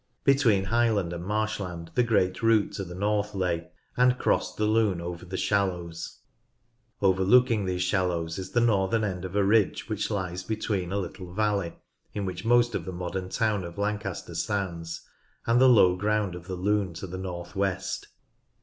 Between highland and marshland the great route to the north lay, and crossed the Lune over the shallows. Overlooking these shallows is the northern end of a ridge which lies between a little valley, in which most of the modern town of Lancaster stands, and the low ground of the Lune to ARCHITECTURE— MILITARY 133 the north west.